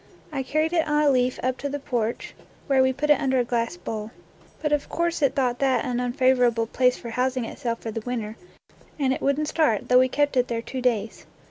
I carried it on a leaf up to the porch, where wo put it under a glass bowl. But of course it thought that an unfavorable place for housing itself for the winter, and it would n't start, though we kept it there two days.